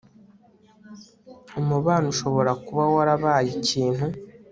umubano ushobora kuba warabaye ikintu